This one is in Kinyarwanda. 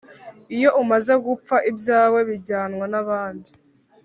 iyo umaze gupfa ibyawe bijyanwa n'abandi